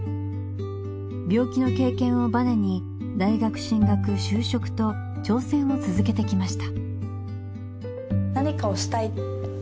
病気の経験をバネに大学進学就職と挑戦を続けてきました。